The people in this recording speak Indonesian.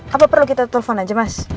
apa perlu kita telpon aja mas